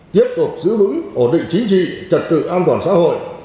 tiếp tục giữ vững ổn định chính trị trật tự an toàn xã hội